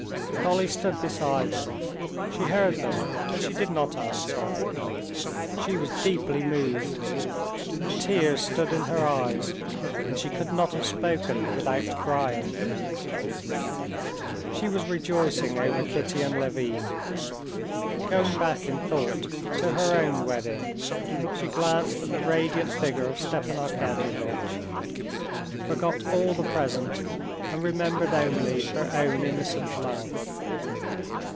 Dolly stood beside them; she heard them, but she did not answer. She was deeply moved. The tears stood in her eyes, and she could not have spoken without crying. She was rejoicing over Kitty and Levin; going back in thought to her own wedding, she glanced at the radiant figure of Stepan Arkadyevitch, forgot all the present, and remembered only her own innocent love.